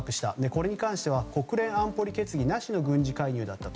これに関しては国連安保理決議なしの軍事介入だった。